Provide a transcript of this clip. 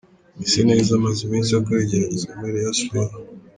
Mwiseneza amaze iminsi akora igeragezwa muri Rayon Sports.